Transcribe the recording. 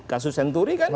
kasus senturi kan